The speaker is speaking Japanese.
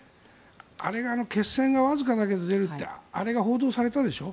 あれが血栓がわずかだけど出るってあれが報道されたでしょう。